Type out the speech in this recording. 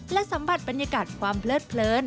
และสัมผัสบรรยากาศความเพลิดเพลิน